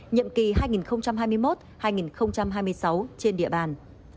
nhiệm kỳ hai nghìn hai mươi một hai nghìn hai mươi sáu trên địa bàn